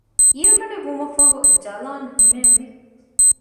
އިރުގަޑެއް ވުމަށްފަހު ޖަލާން ހިމޭން ވި